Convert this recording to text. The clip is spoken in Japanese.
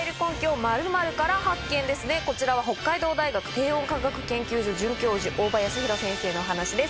こちらは北海道大学低温科学研究所准教授大場康弘先生のお話です。